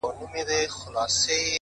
• ه مړ او ځوانيمرگ دي سي؛